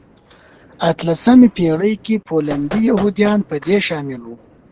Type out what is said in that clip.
اتلمسې پېړۍ کې پولنډي یهودان په دې شامل وو.